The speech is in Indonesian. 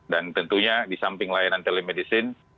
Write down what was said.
dan tentunya di samping layanan telemedicine